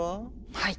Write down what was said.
はい。